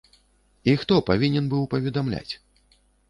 І хто павінен быў паведамляць?